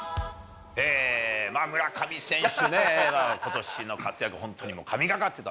村上選手ね、ことしの活躍、本当に神がかってた。